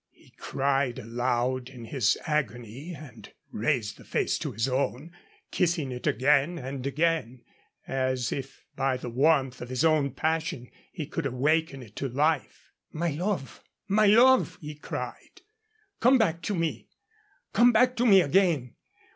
He cried aloud in his agony and raised the face to his own, kissing it again and again, as if by the warmth of his own passion he could awaken it to life. "My love! my love!" he cried. "Come back to me! Come back to me again!